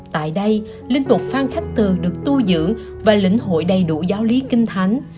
tại đây linh mục phan khách từ được tu dưỡng và lĩnh hội đầy đủ giáo lý kinh thánh